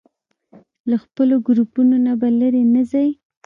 له خپلو ګروپونو نه به لرې نه ځئ.